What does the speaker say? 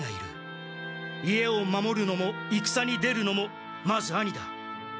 家を守るのも戦に出るのもまず兄だ。